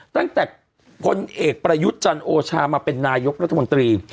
ตั้งแต่พลเอกประยุทธ์จันโอชามาเป็นนายกรัฐมนตรี